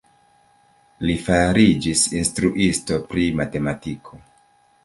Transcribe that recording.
Li fariĝis instruisto pri matematiko.